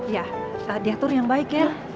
ya saat diatur yang baik ya